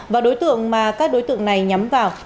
và đối tượng mà các đối tượng này nhắm vào